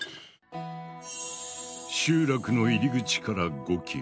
集落の入り口から５ｋｍ。